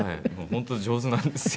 本当上手なんですよ。